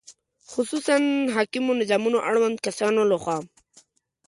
خصوصاً حاکمو نظامونو اړوندو کسانو له خوا